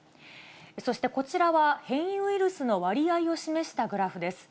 そしてこちらは、変異ウイルスの割合を示したグラフです。